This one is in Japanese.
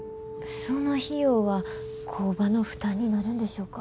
その費用は工場の負担になるんでしょうか？